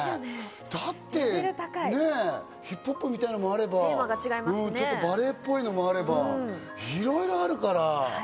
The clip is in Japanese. だってね、ヒップホップみたいなのもあれば、バレエっぽいものもあれば、いろいろあるから。